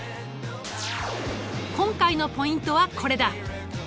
今回のポイントはこれだ。